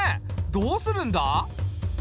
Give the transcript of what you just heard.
どうするんだ？